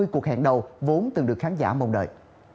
hai mươi cuộc hẹn đầu vốn từng được khán giả mong đợi